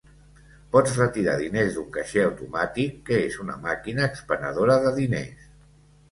Pots retirar diners d'un caixer automàtic, que és una màquina expenedora de diners